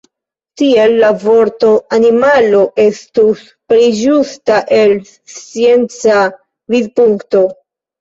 Tiel la vorto „animalo” estus pli ĝusta el scienca vidpunkto.